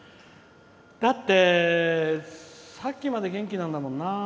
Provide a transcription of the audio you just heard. だって、さっきまで元気なんだもんな。